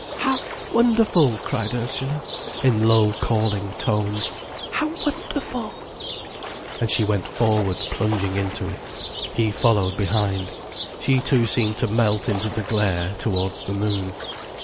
"How wonderful!" cried Ursula, in low, calling tones. "How wonderful!" And she went forward, plunging into it. He followed behind. She too seemed to melt into the glare, towards the moon.